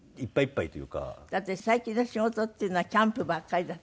だって最近の仕事っていうのはキャンプばっかりだったでしょ？